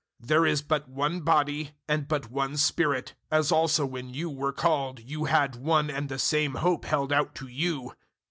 004:004 There is but one body and but one Spirit, as also when you were called you had one and the same hope held out to you.